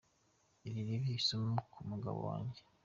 Iri ribe isomo ku mugabo wanjye.